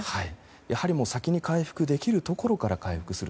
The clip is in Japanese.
やはりもう先に回復できるところから回復する。